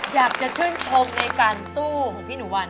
อยากจะชื่นชมในการสู้ของพี่หนูวัน